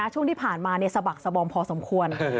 ช่วงที่ผ่านมาสะบักสบอมพอสมควร